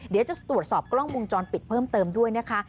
เดี๋ยวจะตรวจสอบกล้องวงจรปิดเพิ่มเติมด้วยนะคะ